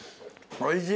おいしい。